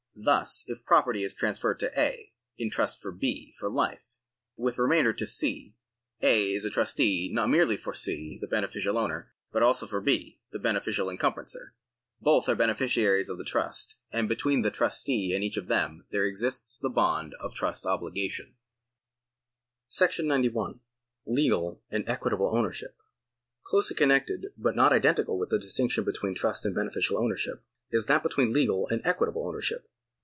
Thus if property is transferred to A., in trust for B. for life, with remainder to C, A. is a trustee not merely for C, the beneficial owner, but also for B., the beneficial § 90] OWNERSHIP 2,31 encumbrancer. Both arc beneficiaries of the trust, and between the trustee and each of them there exists the bond of a trust obligation.^ § 91. Legal and Equitable Ownership. Closely connected but not identical with the distinction between trust and beneficial ownership, is that between legal and equitable ownership.